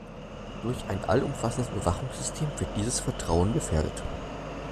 Durch ein allumfassendes Überwachungssystem wird dieses Vertrauen gefährdet.